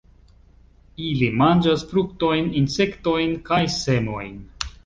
Ili manĝas fruktojn, insektojn kaj semojn.